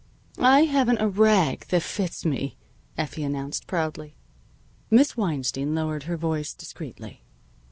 "I haven't a rag that fits me," Effie announced proudly. Miss Weinstein lowered her voice discreetly.